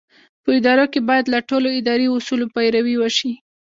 په ادارو کې باید له ټولو اداري اصولو پیروي وشي.